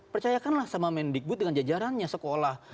percayakanlah sama mendikbud dengan jajarannya sekolah